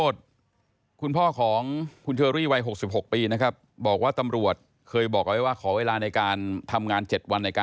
ต้นก็ไม่ได้ติดตามความคืบหน้าของคดีมากนัก